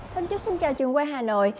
thân chúc xin chào trường quay hà nội